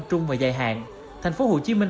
trung và dài hạn thành phố hồ chí minh